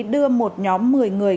đưa một nhóm một mươi người